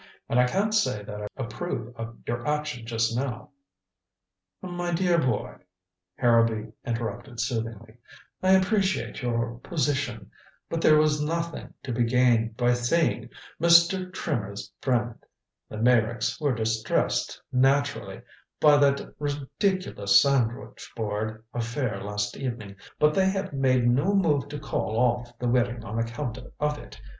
And I can't say that I approve of your action just now " "My dear boy," Harrowby interrupted soothingly, "I appreciate your position. But there was nothing to be gained by seeing Mr. Trimmer's friend. The Meyricks were distressed, naturally, by that ridiculous sandwich board affair last evening, but they have made no move to call off the wedding on account of it.